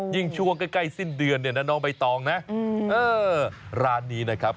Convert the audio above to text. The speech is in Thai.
ช่วงใกล้สิ้นเดือนเนี่ยนะน้องใบตองนะร้านนี้นะครับ